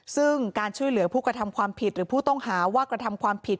ซึ่งการช่วยเหลือผู้กระทำความผิดหรือผู้ต้องหาว่ากระทำความผิด